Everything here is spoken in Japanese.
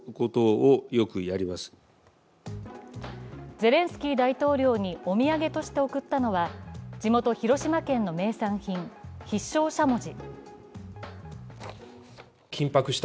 ゼレンスキー大統領にお土産として贈ったのは地元、広島県の名産品・必勝しゃもじ。